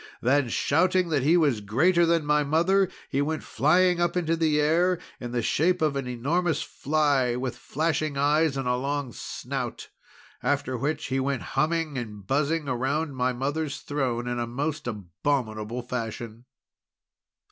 Then, shouting that he was greater than my mother, he went flying up into the air, in the shape of an enormous fly with flashing eyes, and a long snout. After which he went humming and buzzing around my mother's throne, in a most abominable fashion.